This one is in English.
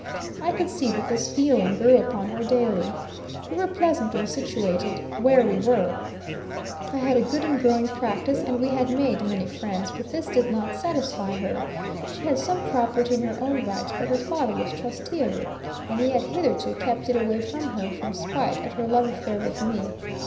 I could see that this feeling grew upon her daily. We were pleasantly situated where we were; I had a good and growing practice, and we had made many friends; but this did not satisfy her; she had some property in her own right, but her father was trustee of it, and he had hitherto kept it away from her from spite at her love affair with me.